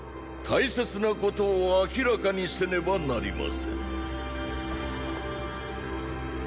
大切なことを明らかにせねばなりません。